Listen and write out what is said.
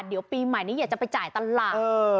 เดี๋ยวปีใหม่นี้อยากจะไปจ่ายตลาด